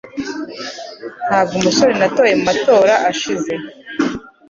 Ntabwo natoye mu matora ashize